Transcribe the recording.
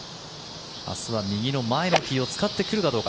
明日は右の前のティーを使ってくるかどうか。